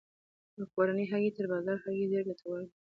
کورنۍ هګۍ تر بازاري هګیو ډیرې ګټورې دي.